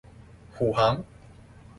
虎航